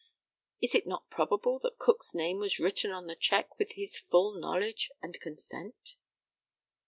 Is it not probable that Cook's name was written on the cheque with his full knowledge and consent?